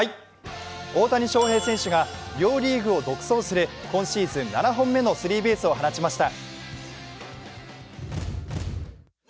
大谷翔平選手が両リーグを独走する今シーズン７本目のスリーベースを放ちました。